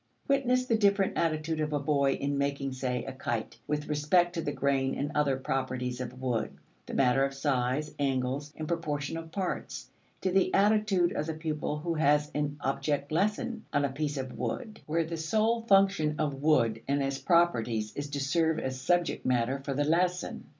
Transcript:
Witness the different attitude of a boy in making, say, a kite, with respect to the grain and other properties of wood, the matter of size, angles, and proportion of parts, to the attitude of a pupil who has an object lesson on a piece of wood, where the sole function of wood and its properties is to serve as subject matter for the lesson.